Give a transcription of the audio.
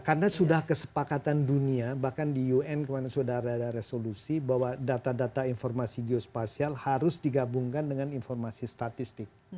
karena sudah kesepakatan dunia bahkan di un kemarin sudah ada resolusi bahwa data data informasi geospasial harus digabungkan dengan informasi statistik